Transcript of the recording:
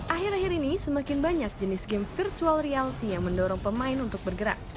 akhir akhir ini semakin banyak jenis game virtual reality yang mendorong pemain untuk bergerak